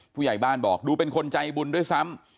ผู้ใหญ่บ้านบอกดูเป็นคนใจบุญด้วยซ้ำ